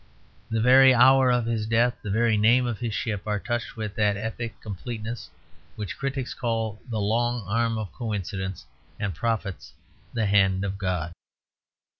The very hour of his death, the very name of his ship, are touched with that epic completeness which critics call the long arm of coincidence and prophets the hand of God.